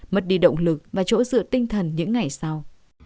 mất đi động lực và chỗ dựa tinh thần những ngày sau